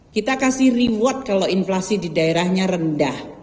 kita kasih reward kalau inflasi di daerahnya rendah